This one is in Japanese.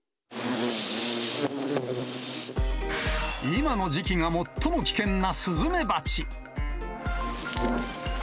今の時期が最も危険なスズメバチ。